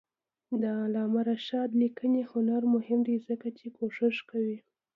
د علامه رشاد لیکنی هنر مهم دی ځکه چې کوشش کوي.